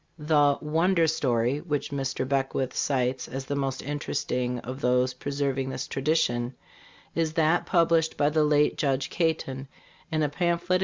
The "wonder story" which Mr. Beckwith cites as the most interesting of those preserving this tradition is that published by the late Judge Caton, in a pamphlet.